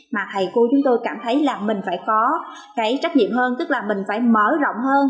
mà thầy cô chúng tôi cảm thấy là mình phải có cái trách nhiệm hơn tức là mình phải mở rộng hơn